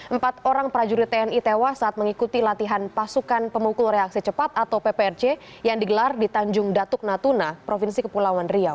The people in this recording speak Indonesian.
empat orang prajurit tni tewas saat mengikuti latihan pasukan pemukul reaksi cepat atau pprc yang digelar di tanjung datuk natuna provinsi kepulauan riau